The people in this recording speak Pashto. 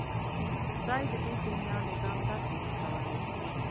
خدای د دې دنيا نظام داسې هستولی.